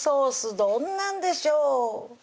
どんなんでしょう？